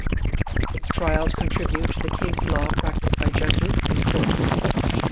Its trials contribute to the case law practiced by judges and courts.